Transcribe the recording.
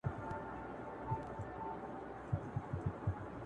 زه سلطان یم د هوا تر آسمانونو-